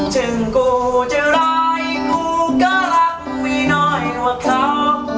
ถึงกูใจร้ายกูก็รักมีน้อยกว่าเขา